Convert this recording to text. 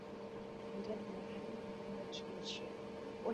Miungano ya mifumo ya karo choo cha shimo